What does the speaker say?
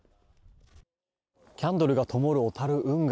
キャンドルがともる小樽運河。